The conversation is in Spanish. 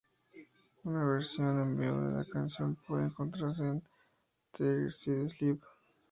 Una versión en vivo de la canción puede encontrarse en "Three Sides Live".